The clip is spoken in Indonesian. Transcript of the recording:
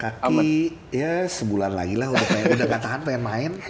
kaki ya sebulan lagi lah udah gak tahan pengen main